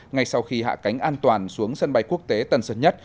ngay sau khi hạ cánh an toàn xuống sân bay quốc tế tần sân nhất